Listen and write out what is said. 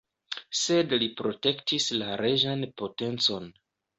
Sed li protektis la reĝan potencon.